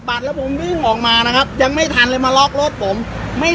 แล้วผมวิ่งออกมานะครับยังไม่ทันเลยมาล็อกรถผมไม่